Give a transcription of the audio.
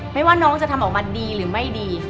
ไม่ว่าน้องจะทำออกมาดีหรือไม่ดี